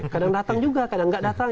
kadang datang juga kadang nggak datang